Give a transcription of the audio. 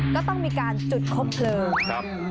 ก็ต้องมีการจุดคบเพลิง